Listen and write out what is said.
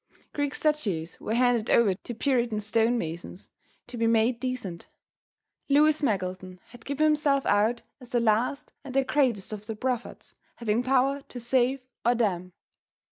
Greek statues were handed over to Puritan stone masons to be made decent. Lewis Meggleton had given himself out as the last and the greatest of the prophets, having power to save or damn.